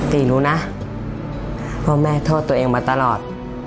ตีรู้นะพ่อแม่โทษตัวเองมาตลอด